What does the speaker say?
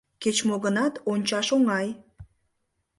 — Кеч-мо гынат, ончаш оҥай.